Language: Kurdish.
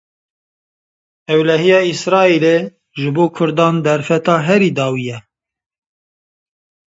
Ewlehîya Îsraîlê ji bo Kurdan derfeta herî dawî ye